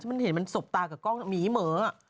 มันเห็นมันสบตากับกล้องหมีเหมือ